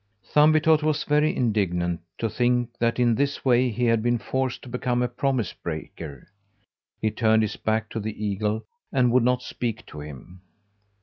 Thumbietot was very indignant to think that in this way he had been forced to become a promise breaker. He turned his back to the eagle and would not speak to him.